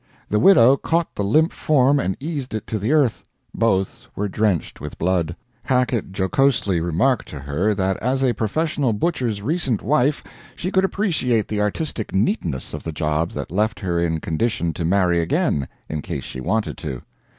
The widow caught the limp form and eased it to the earth. Both were drenched with blood. Hackett jocosely remarked to her that as a professional butcher's recent wife she could appreciate the artistic neatness of the job that left her in condition to marry again, in case she wanted to.